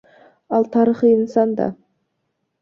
Ал тарыхый инсан да.